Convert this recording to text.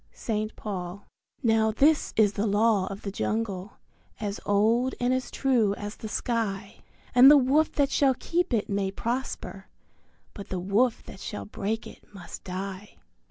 St. Paul. Now this is the Law of the Jungle as old and as true as the sky; And the Wolf that shall keep it may prosper, but the Wolf that shall break it must die.